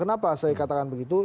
kenapa saya katakan begitu